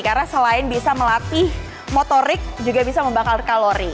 karena selain bisa melatih motorik juga bisa membakar kalori